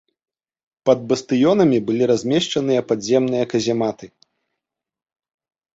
Пад бастыёнамі былі размешчаныя падземныя казематы.